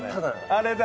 あれだ。